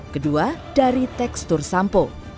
kedua dari tekstur sampo